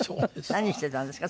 何してたんですか？